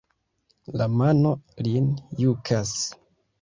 La mano lin jukas.